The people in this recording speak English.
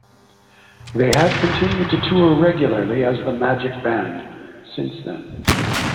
They have continued to tour regularly as the Magic Band since then.